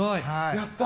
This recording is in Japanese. やった！